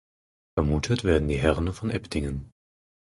Vermutet werden die Herren von Eptingen.